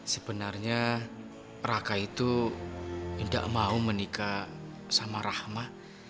sebenarnya raka itu tidak mau menikah sama rahma